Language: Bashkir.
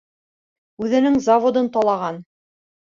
Үҙенең заводын талаған